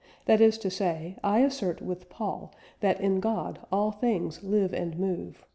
That is to say, I assert with Paul, that in God all things live and move....